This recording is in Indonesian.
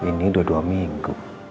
ini udah dua minggu